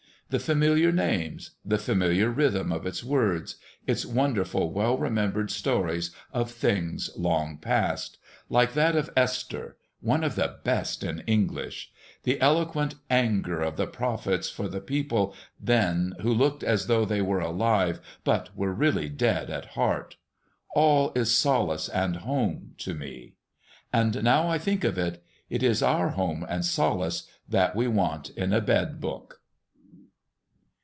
The familiar names, the familiar rhythm of its words, its wonderful well remembered stories of things long past like that of Esther, one of the best in English the eloquent anger of the prophets for the people then who looked as though they were alive, but were really dead at heart, all is solace and home to me. And now I think of it, it is our home and solace that we want in a bed book.